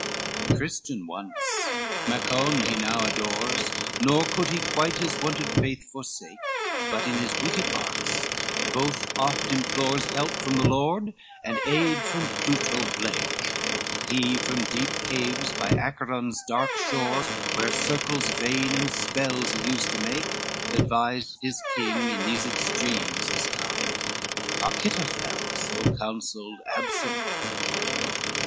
II A Christian once, Macon he now adores, Nor could he quite his wonted faith forsake, But in his wicked arts both oft implores Help from the Lord, and aid from Pluto black; He, from deep caves by Acheron's dark shores, Where circles vain and spells he used to make, To advise his king in these extremes is come, Achitophel so counselled Absalom.